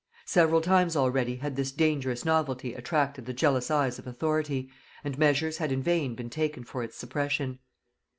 Several times already had this dangerous novelty attracted the jealous eyes of authority, and measures had in vain been taken for its suppression.